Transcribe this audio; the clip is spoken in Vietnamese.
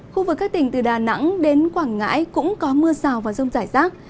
khu vực các tỉnh từ đà nẵng đến quảng ngãi cũng có mưa rào và rông giải sát